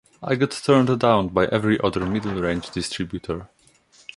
I got turned down by every other middle range distributor.